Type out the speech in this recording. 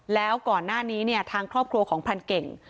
แล้วก่อนหน้านี้เนี่ยทางครอบครัวของพรานเก่ง